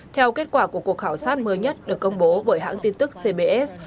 theo kết quả của cuộc khảo sát mới nhất được công bố bởi hãng tin tức cbs